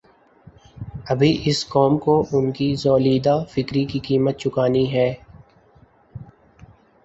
ابھی اس قوم کوان کی ژولیدہ فکری کی قیمت چکانی ہے۔